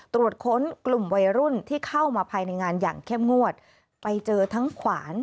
ตรวจค้นกลุ่มวัยรุ่นที่เข้ามาภายในงานอย่างเข้มงวดไปเจอทั้งขวาน